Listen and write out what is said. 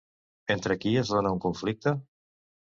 Entre qui es dona un conflicte?